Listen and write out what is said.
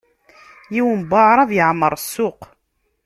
Yiwen n waɛrab yeɛmeṛ ssuq.